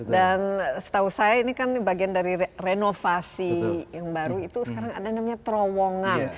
dan setahu saya ini kan bagian dari renovasi yang baru itu sekarang ada namanya terowongan